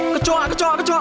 kecual kecual kecual